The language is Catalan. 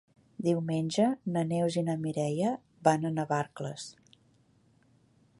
Diumenge na Neus i na Mireia van a Navarcles.